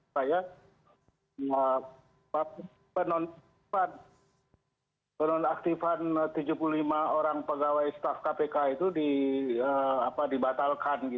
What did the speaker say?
saya meminta pak penonaktifan tujuh puluh lima orang pegawai staf kpk itu dibatalkan